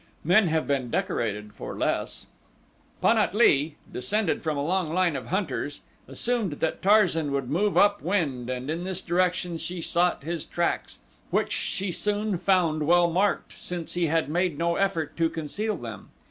Men have been decorated for less. Pan at lee, descended from a long line of hunters, assumed that Tarzan would move up wind and in this direction she sought his tracks, which she soon found well marked, since he had made no effort to conceal them.